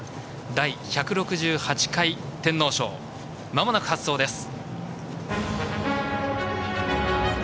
第１６８回天皇賞まもなく発走です。